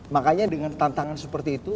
makanya dengan tantangan seperti itu